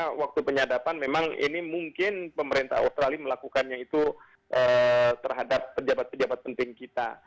karena waktu penyadapan memang ini mungkin pemerintah australia melakukannya itu terhadap pejabat pejabat penting kita